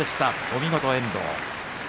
お見事、遠藤。